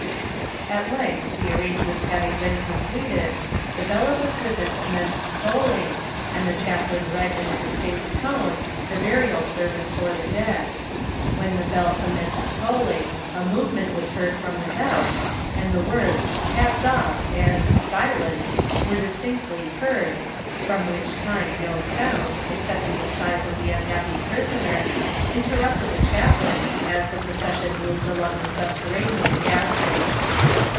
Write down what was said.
At length the arrangements having been completed, the bell of the prison commenced tolling and the chaplain read in a distinct tone the burial service for the dead. When the bell commenced tolling, a movement was heard from without, and the words "Hats off" and "Silence" were distinctly heard, from which time no sound, excepting the sighs of the unhappy prisoner, interrupted the chaplain as the procession moved along the subterranean passage.